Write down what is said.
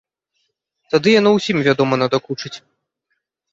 Тады яно ўсім, вядома, надакучыць.